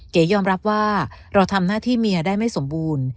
เก๋ยอมรับว่าเราทำหน้าที่เมียได้ไม่สมบูรณ์